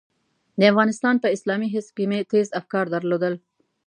د افغانستان په اسلامي حزب کې مې تېز افکار درلودل.